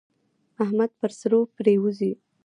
احمد پر سرو پرېوزي.